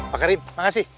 pak karim makasih